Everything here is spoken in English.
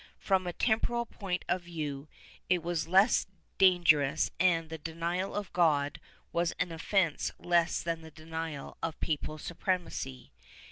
From a temporal point of view, it was less danger ous, and the denial of God was an offence less than the denial of papal supremacy.